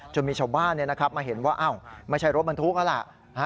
จนมีชาวบ้านมาเห็นว่าไม่ใช่รถมันทุกข์แล้วล่ะ